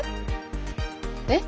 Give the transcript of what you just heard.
えっ？